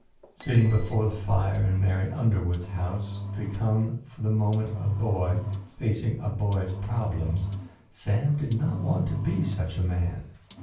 Sitting before the fire in Mary Underwood's house, become, for the moment, a boy, facing a boy's problems, Sam did not want to be such a man.